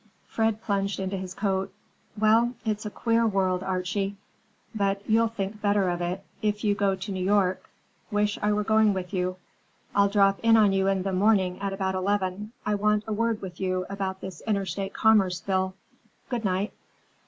Fred plunged into his coat. "Well, it's a queer world, Archie. But you'll think better of it, if you go to New York. Wish I were going with you. I'll drop in on you in the morning at about eleven. I want a word with you about this Interstate Commerce Bill. Good night."